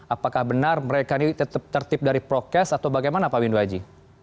apakah benar mereka ini tetap tertip dari prokes atau bagaimana pak windu aji